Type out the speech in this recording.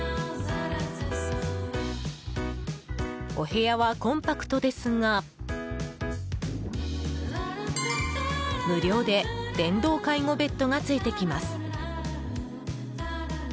お部屋はコンパクトですが無料で電動介護ベッドがついてきます。